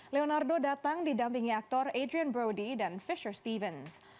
leonardo datang didampingi aktor adrian brody dan fisher stevens